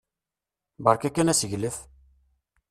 Berka-ken aseglef!